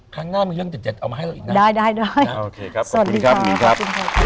ข้างหน้ามีเรื่องเด็ดเอามาให้เราอีกหน่อยได้สวัสดีครับ